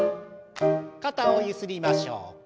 肩をゆすりましょう。